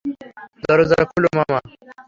দরজা খুলো, মামা।